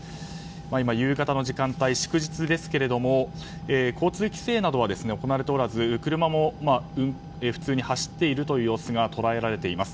今、夕方の時間帯祝日ですけども交通規制などは行われておらず車も普通に走っているという様子が捉えられています。